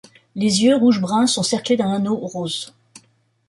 Les yeux, rouge-brun, sont cerclés d'un anneau rose.